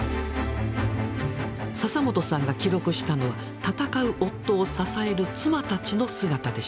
笹本さんが記録したのは闘う夫を支える妻たちの姿でした。